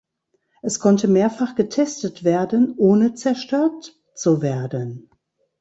Es konnte mehrfach getestet werden ohne zerstört zu werden.